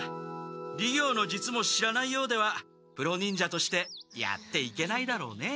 「離行の術」も知らないようではプロ忍者としてやっていけないだろうね。